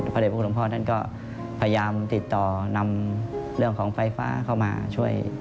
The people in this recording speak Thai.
พระเด็จพระคุณหลวงพ่อท่านก็พยายามติดต่อนำเรื่องของไฟฟ้าเข้ามาช่วย